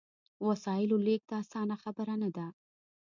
وسایلو لېږد اسانه خبره نه ده.